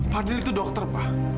fadil itu dokter pak